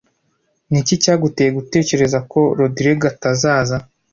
Niki cyaguteye gutekereza ko Rogride atazaza?